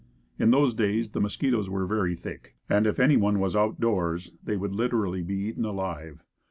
In those days the mosquitoes were very thick and if anyone was out doors they would literally be eaten alive.